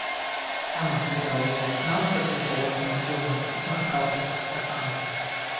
Она стояла у окна в противоположном доме и сморкалась в стакан.